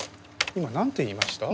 今なんて言いました？